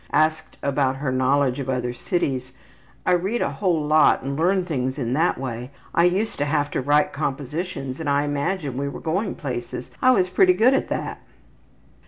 Asked about her knowledge of other cities; ``I read a whole lot and learn things in that way. I used to have to write compositions and imagine we were going places. I was pretty good at that.''